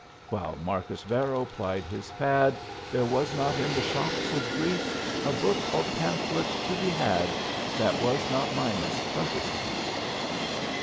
While Marcus Varro plied his fad There was not in the shops of Greece A book or pamphlet to be had That was not minus frontispiece.